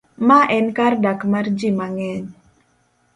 Ma enkardak mar ji mang'eny